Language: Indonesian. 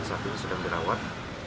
saat ini sedang dirawat